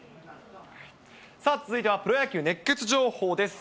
さあ、続いてはプロ野球熱ケツ情報です。